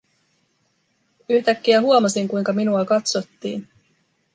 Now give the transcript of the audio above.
Yhtäkkiä huomasin, kuinka minua katsottiin.